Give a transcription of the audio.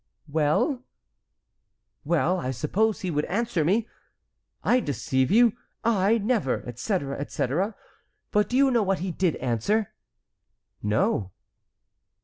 '" "Well?" "Well, I supposed he would answer me: 'I deceive you! I! never! etc., etc.' But do you know what he did answer?" "No."